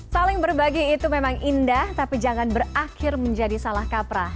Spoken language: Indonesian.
saling berbagi itu memang indah tapi jangan berakhir menjadi salah kaprah